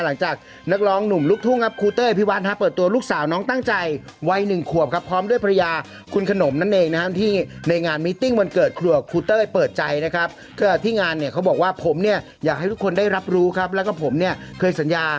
หลังจากนักร้องหนุ่มลูกทุ่งครับคูเต้ย